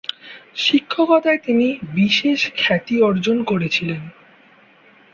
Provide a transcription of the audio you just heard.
শিক্ষকতায় তিনি বিশেষ খ্যাতি অর্জন করেছিলেন।